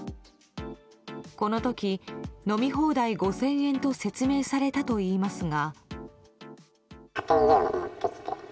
この時、飲み放題５０００円と説明されたといいますが。